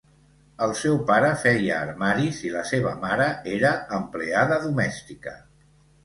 El seu pare feia armaris i la seva mare era empleada domèstica.